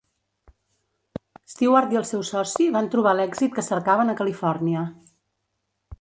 Stewart i el seu soci van trobar l'èxit que cercaven a Califòrnia.